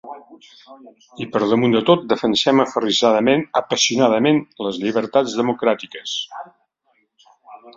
I per damunt de tot, defensem aferrissadament, apassionadament, les llibertats democràtiques.